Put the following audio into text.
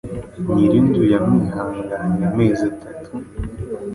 nyiri inzu yamwihanganiye amezi atatu,